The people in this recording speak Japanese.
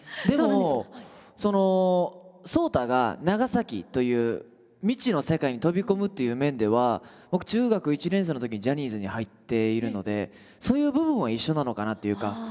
でもその壮多が長崎という未知の世界に飛び込むという面では僕中学１年生の時にジャニーズに入っているのでそういう部分は一緒なのかなというか。